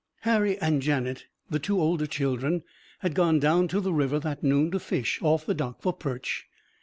Harry and Janet, the two older children, had gone down to the river, that noon, to fish, off the dock, for perch.